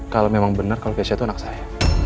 kalau memang benar kalau keisha itu anak saya